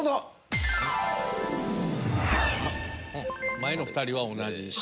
前の２人は同じ「Ｃ」。